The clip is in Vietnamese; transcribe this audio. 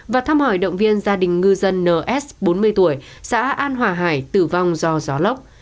và thăm hỏi động viên gia đình ngư dân ns bốn mươi tuổi xã an hòa hải tử vong do gió lốc